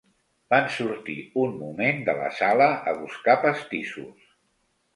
Van sortir un moment de la sala a buscar pastissos.